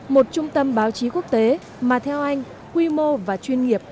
một trung tâm báo chí quốc tế mà theo anh quy mô và chuyên nghiệp